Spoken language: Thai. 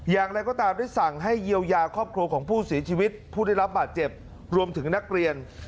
อย่างไรก็ตามได้สั่งให้เยียวยาครอบครัวของผู้เสียชีวิตผู้ได้รับบาดเจ็บรวมถึงนักเรียน